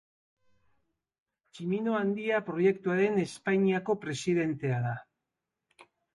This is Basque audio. Tximino Handia Proiektuaren Espainiako presidentea da.